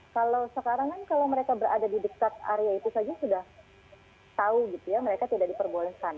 kalau sekarang kan kalau mereka berada di dekat area itu saja sudah tahu gitu ya mereka tidak diperbolehkan